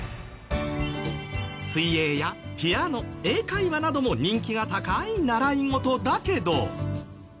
水泳やピアノ英会話なども人気が高い習い事だけど。